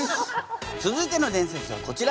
続いての伝説はこちら。